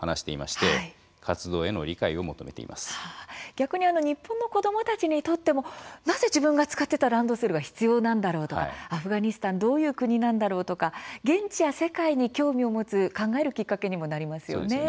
逆に日本の子どもたちにとってもなぜ自分が使ってたランドセルが必要なんだろうとかアフガニスタンどういう国なんだろうとか現地や世界に興味を持つ考えるきっかけにもなりますよね。